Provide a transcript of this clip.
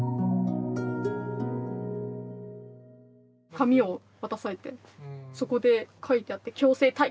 紙を渡されてそこで書いてあって「強制退去です」。